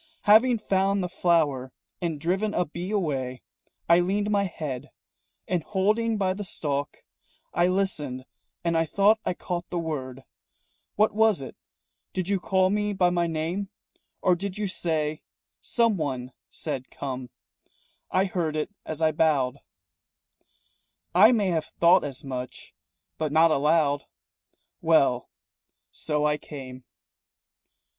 "Having found the flower and driven a bee away, I leaned my head, And holding by the stalk, I listened and I thought I caught the word What was it? Did you call me by my name? Or did you say Someone said 'Come' I heard it as I bowed." "I may have thought as much, but not aloud." "Well, so I came."